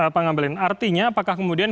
pak ngabalin artinya apakah kemudian